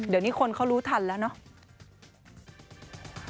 เดี๋ยวนี้คนเขารู้ทันแล้วเนาะ